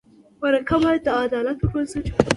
مرکه باید د عدالت پر بنسټ وي.